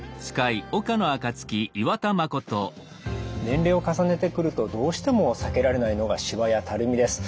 年齢を重ねてくるとどうしても避けられないのがしわやたるみです。